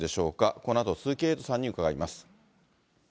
このあと、鈴木エイトさんに伺います。